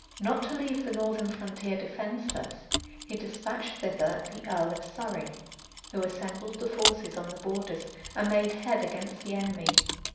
Not to leave the northern frontier defenceless, he despatched thither the earl of Surrey, who assembled the forces on the borders, and made head against the enemy.